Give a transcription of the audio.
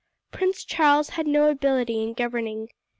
Prince Charles had no ability in governing.